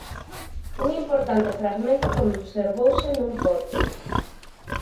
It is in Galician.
Un importante fragmento conservouse nun pote.